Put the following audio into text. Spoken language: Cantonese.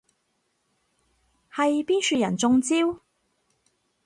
係邊樹人中招？